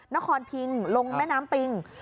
นครพิงลงแม่น้ำปิง